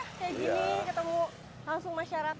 kayak gini ketemu langsung masyarakat